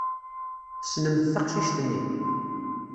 Tessnemt taqcict-nni?